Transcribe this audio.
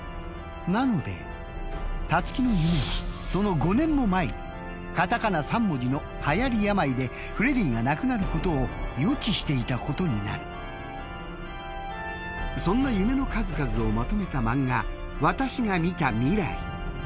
なのでたつきの夢はその５年も前に片仮名３文字のはやり病でフレディが亡くなることを予知していたことになる。そんな夢の数々をまとめた漫画「私が見た未来」。